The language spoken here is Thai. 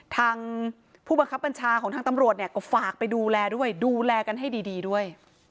ทางผู้บังคับบัญชาของทางตำรวจเนี่ยก็ฝากไปดูแลด้วยดูแลกันให้ดีด้วย